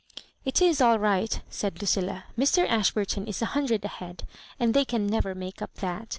'' It is aU right," said Lucilla. " Mr. Ashbur ton is a hundred ahead, and they can never make up that.